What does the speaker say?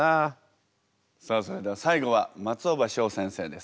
さあそれでは最後は松尾葉翔先生です。